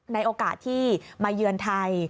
ในโอกาสที่มาเยือนไทย